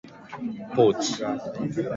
ポーチ、